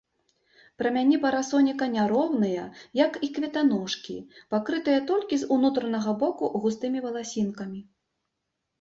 Прамяні парасоніка няроўныя, як і кветаножкі, пакрытыя толькі з унутранага боку густымі валасінкамі.